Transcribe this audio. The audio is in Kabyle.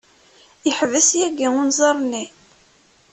Yeḥbes yagi unẓar-nni.